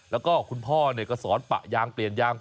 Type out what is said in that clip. แล้วก็คุณพ่อก็สอนปะยางเปลี่ยนยาง